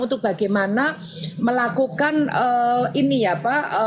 untuk bagaimana melakukan ini ya pak